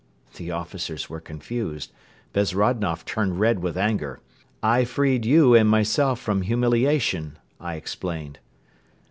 The officers were confused. Bezrodnoff turned red with anger. "I freed you and myself from humiliation," I explained.